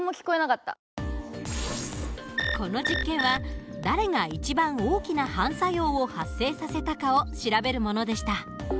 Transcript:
この実験は誰が一番大きな反作用を発生させたかを調べるものでした。